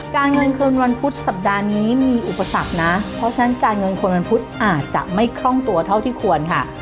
การเงินคืนวันพุธสัปดาห์นี้มีอุปสรรคนะเพราะฉะนั้นการเงินคนวันพุธอาจจะไม่คล่องตัวเท่าที่ควรค่ะ